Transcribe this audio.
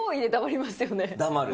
黙る。